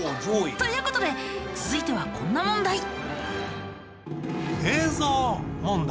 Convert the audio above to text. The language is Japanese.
という事で続いてはこんな問題。